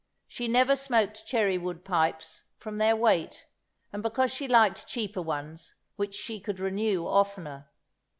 She never smoked cherry wood pipes, from their weight, and because she liked cheaper ones, which she could renew oftener.